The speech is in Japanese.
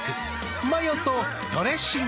マヨとドレッシングで。